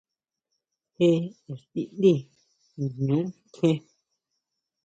¿Jé íxtidí niñu kjien?